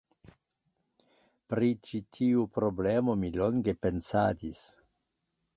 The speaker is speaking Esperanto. Pri ĉi tiu problemo mi longe pensadis.